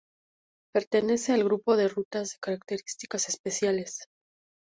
Pertenece al grupo de rutas de características especiales.